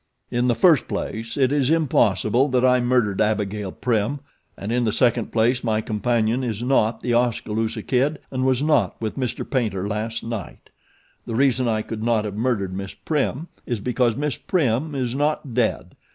"In the first place it is impossible that I murdered Abigail Prim, and in the second place my companion is not The Oskaloosa Kid and was not with Mr. Paynter last night. The reason I could not have murdered Miss Prim is because Miss Prim is not dead.